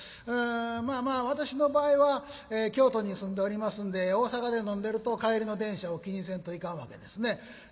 まあまあ私の場合は京都に住んでおりますんで大阪で飲んでると帰りの電車を気にせんといかんわけですね。